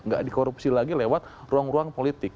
gak dikorupsi lagi lewat ruang ruang politik